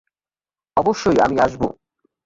অবশ্যই, আমি আসব।